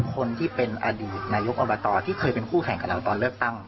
คนที่เป็นอดีตนายกอบตที่เคยเป็นคู่แข่งกับเราตอนเลือกตั้ง